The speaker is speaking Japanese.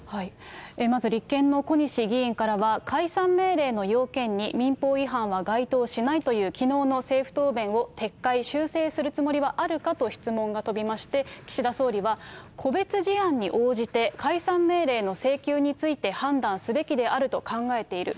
まず立憲の小西議員からは、解散命令の要件に民法違反は該当しないというきのうの政府答弁を撤回、修正するつもりはあるかとの質問が飛びまして、岸田総理は、個別事案に応じて解散命令の請求について判断すべきであると考えている。